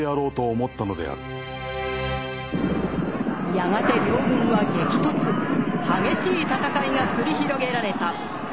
やがて両軍は激突激しい戦いが繰り広げられた。